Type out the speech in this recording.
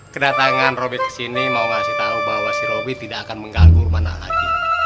kedatangan robi kesini mau ngasih tahu bahwa si robi tidak akan mengganggu rumah nakal hagi